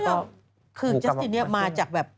คือจัสสิลมาจากแบบ